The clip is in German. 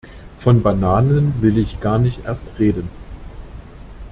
Von Bananen will ich gar nicht erst reden.